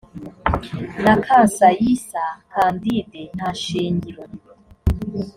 na kansayisa candide nta shingiro